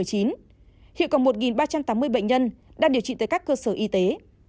hiệu cộng một ba trăm tám mươi bệnh nhân đang điều trị tới các cơ sở y tế